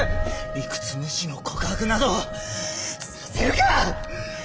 理屈無視の告白などさせるか！